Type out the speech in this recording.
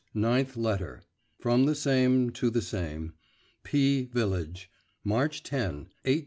NINTH LETTER From the SAME to the SAME P VILLAGE, March 10, 1853.